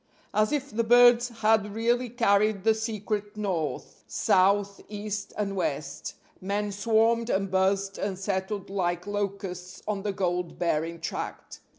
As if the birds had really carried the secret north, south, east and west, men swarmed and buzzed and settled like locusts on the gold bearing tract.